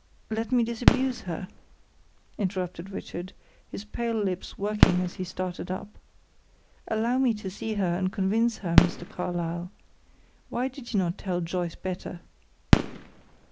"Let me disabuse her," interrupted Richard, his pale lips working as he started up. "Allow me to see her and convince her, Mr. Carlyle. Why did you not tell Joyce better?"